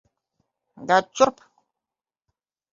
Dod šurp!